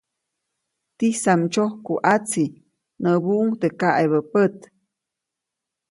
¡Tisam ndsyoku ʼatsi! näbuʼuŋ teʼ kaʼebä pät.